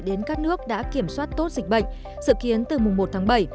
đến các nước đã kiểm soát tốt dịch bệnh dự kiến từ mùng một tháng bảy